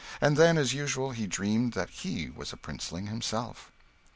And then, as usual, he dreamed that he was a princeling himself.